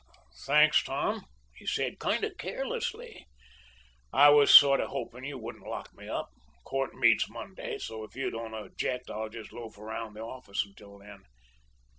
"'Thanks, Tom,' he said, kind of carelessly; 'I was sort of hoping you wouldn't lock me up. Court meets next Monday, so, if you don't object, I'll just loaf around the office until then.